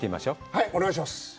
はい、お願いします。